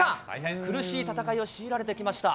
苦しい戦いを強いられてきました。